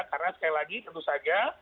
karena sekali lagi tentu saja